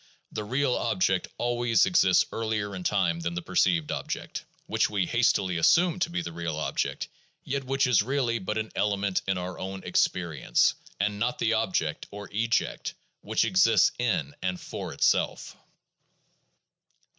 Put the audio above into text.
The "real" object always exists earlier in time than the perceived object, which we hastily assume to be the "real" object, yet which is really but an element in our own experience, and not the object, or eject, which exists in and for itself.